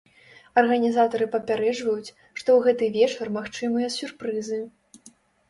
Арганізатары папярэджваюць, што ў гэты вечар магчымыя сюрпрызы.